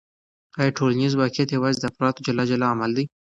آیا ټولنیز واقعیت یوازې د افرادو جلا جلا عمل دی؟